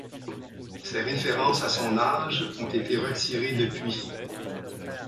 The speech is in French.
Ces références à son âge ont été retirées depuis.